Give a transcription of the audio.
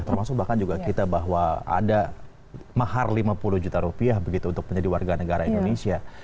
termasuk bahkan juga kita bahwa ada mahar lima puluh juta rupiah begitu untuk menjadi warga negara indonesia